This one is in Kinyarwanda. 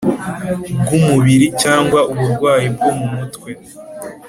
bw umubiri cyangwa uburwayi bwo mu mutwe